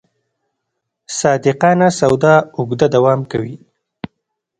صادقانه سودا اوږده دوام کوي.